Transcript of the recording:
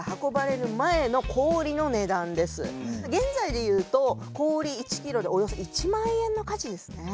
現在で言うと氷１キロでおよそ１０，０００円の価値ですね。